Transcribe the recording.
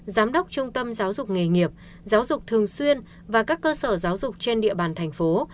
giám đốc trung tâm giáo dục nghề nghiệp giáo dục thường xuyên và các cơ sở giáo dục trên địa bàn thành phố